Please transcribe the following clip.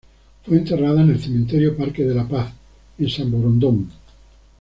Fue enterrada en el cementerio Parque de la Paz, en Samborondón.